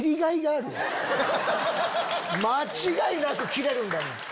間違いなく切れるんだもん。